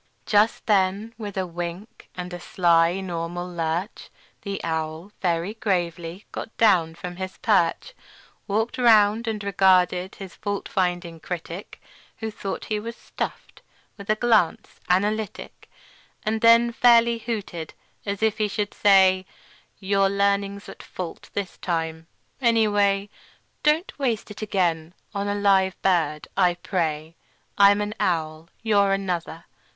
Just then, with a wink and a sly normal lurch, The owl, very gravely, got down from his perch, Walked round, and regarded his fault finding critic (Who thought he was stuffed) with a glance analytic, And then fairly hooted, as if he should say: "Your learning's at fault this time, any way; Don't waste it again on a live bird, I pray. I'm an owl; you're another.